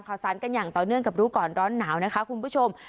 สารกันอย่างต่อเนื่องกับรู้ก่อนร้อนหนาวนะคะคุณผู้ชม